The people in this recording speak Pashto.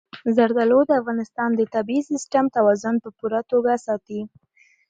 زردالو د افغانستان د طبعي سیسټم توازن په پوره توګه ساتي.